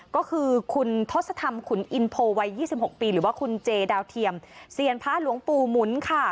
ก็คือคุณทศธรรมขุนอินโพวัย๒๖ปีหรือว่าคุณเจดาวเทียมเซียนพระหลวงปู่หมุนค่ะ